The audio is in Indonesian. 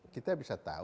kita bisa tahu